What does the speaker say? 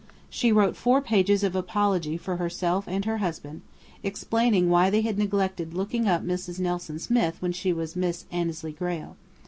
She wrote four pages of apology for herself and her husband, explaining why they had neglected "looking up Mrs. Nelson Smith when she was Miss Annesley Grayle."